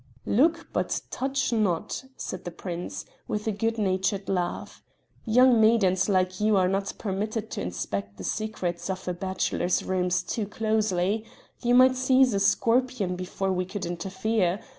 "Look, but touch not," said the prince, with a good natured laugh; "young maidens like you are not permitted to inspect the secrets of a bachelor's rooms too closely. You might seize a scorpion before we could interfere.